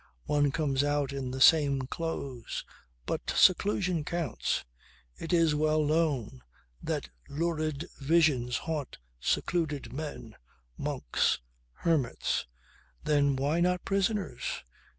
One comes out in the same clothes, but seclusion counts! It is well known that lurid visions haunt secluded men, monks, hermits then why not prisoners?